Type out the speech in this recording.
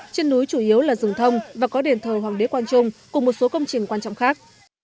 trên núi chủ yếu là rừng thông và có đền thờ hoàng đế quang trung cùng một số công trình quan trọng khác